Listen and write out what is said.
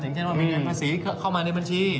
เช่นว่ามีเงินภาษีเข้ามาในบัญชี